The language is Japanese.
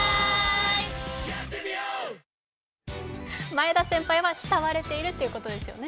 前田先輩は慕われているってことですよね。